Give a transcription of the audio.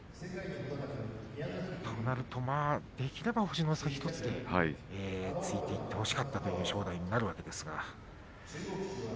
そうなると、できれば星の差１つでついていってほしかったという正代になるわけですね。